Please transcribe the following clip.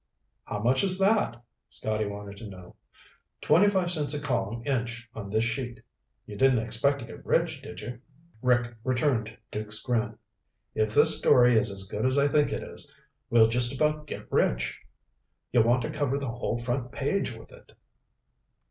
"How much is that?" Scotty wanted to know. "Twenty five cents a column inch on this sheet. You didn't expect to get rich, did you?" Rick returned Duke's grin. "If this story is as good as I think it is, we'll just about get rich. You'll want to cover the whole front page with it."